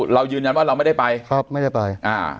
เรายืนยันว่าเราไม่ได้ไปไม่ได้ไป